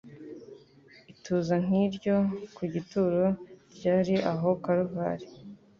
Ituza nk'iryo ku gituro ryari aho i Kaluvari.